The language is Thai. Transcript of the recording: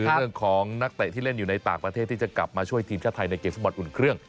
คือเรื่องของนักเตะที่เล่นอยู่ในต่างประเทศที่จะกลับมาช่วยทีมชาติไทยในเกมฟุตบอลอุ่นเครื่อง